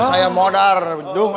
saya mau naik ke sana